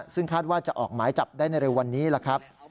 ซึ่งคาดว่าจะออกหมายจับได้ในเร็ววันนี้ล่ะครับ